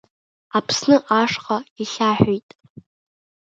Аԥсны ашҟа ихьаҳәит.